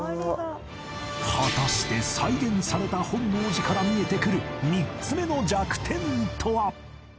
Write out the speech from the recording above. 果たして再現された本能寺から見えてくる３つ目の弱点とは！？